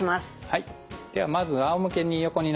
はい。